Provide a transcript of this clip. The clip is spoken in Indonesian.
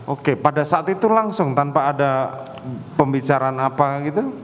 oke pada saat itu langsung tanpa ada pembicaraan apa gitu